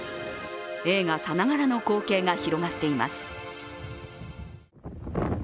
映画さながらの光景が広がっています。